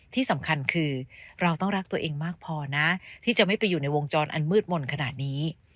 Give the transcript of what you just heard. ที่สำคัญคือเราต้องรักตัวเองมากพอนะที่จะไม่ไปอยู่ในวงจรอันมืดมนต์ขนาดนี้